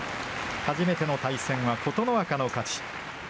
初めての対戦は琴ノ若の勝ち。